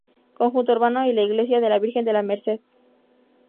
Conjunto urbano y la Iglesia de la Virgen de la Merced.